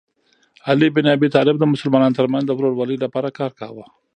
علي بن ابي طالب د مسلمانانو ترمنځ د ورورولۍ لپاره کار کاوه.